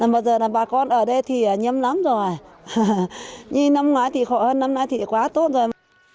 bây giờ là bà con ở đây thì nhâm lắm rồi như năm ngoái thì hơn năm nay thì quá tốt rồi